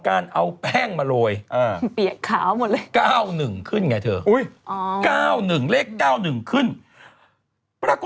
กับพระยาปลวก